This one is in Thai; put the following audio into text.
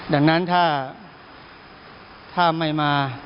ดังนั้นถ้าไม่มา